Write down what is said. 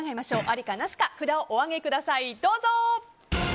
ありかなしか札をお挙げください。